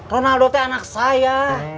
ronaldo teh anak saya